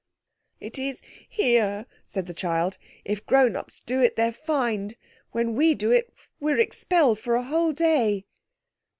"It is here," said the child. "If grown ups do it they're fined. When we do it we're expelled for the whole day."